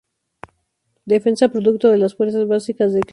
Defensa producto de las fuerzas básicas del Club Necaxa.